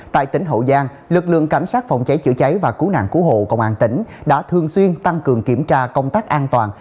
tại tỉnh hậu giang lực lượng cảnh sát phòng cháy chữa cháy và cứu nạn cứu hộ công an tỉnh đã thường xuyên tăng cường kiểm tra công tác an toàn